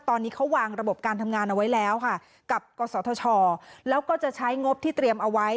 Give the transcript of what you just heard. ตอนนี้เขาวางระบบการทำงานเอาไว้แล้วค่ะกับกศธชแล้วก็จะใช้งบที่เตรียมเอาไว้